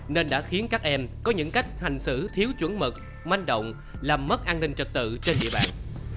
nên đã khiến các em có những cách hành xử thiếu chuẩn mực manh động làm mất an ninh trật tự trên địa bàn